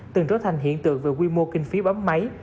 từng trở thành hiện tượng về quy mô kinh phí bấm máy